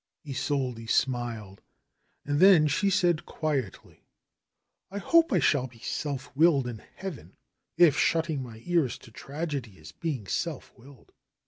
Isolde smiled and then she said quietly: "I hope I shall be self willed in heaven, if shutting my ears to tragedy is being self willed.